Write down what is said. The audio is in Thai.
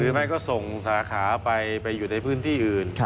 ไม่ก็ส่งสาขาไปอยู่ในพื้นที่อื่น